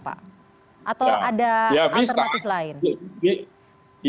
atau ada alternatif lain